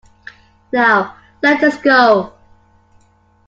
Now let us go.